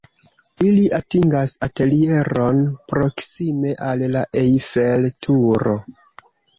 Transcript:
Ili atingas atelieron proksime al la Eiffel-Turo.